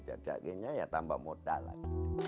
jadi akhirnya ya tambah modal lagi